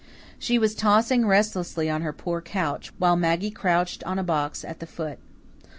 She was tossing restlessly on her poor couch, while Maggie crouched on a box at the foot.